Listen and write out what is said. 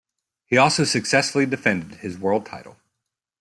He also successfully defended his world title.